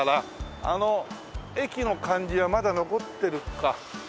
あの駅の感じはまだ残ってるか。